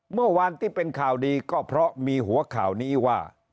เมื่อวานที่เป็นข่าวดีก็เพราะมีหัวข่าวนี้ว่า